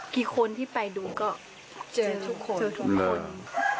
กี่คนที่ไปดูก็เจอทุกคน